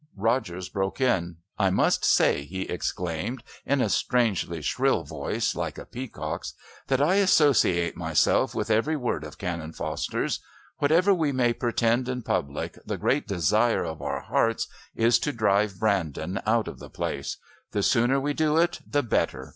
Rogers broke in. "I must say," he exclaimed in a strange shrill voice like a peacock's, "that I associate myself with every word of Canon Foster's. Whatever we may pretend in public, the great desire of our hearts is to drive Brandon out of the place. The sooner we do it the better.